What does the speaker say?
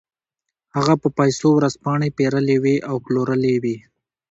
هغه په پیسو ورځپاڼې پېرلې وې او پلورلې وې